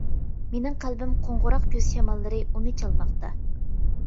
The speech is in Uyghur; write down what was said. مېنىڭ قەلبىم قوڭغۇراق كۈز شاماللىرى ئۇنى چالماقتا.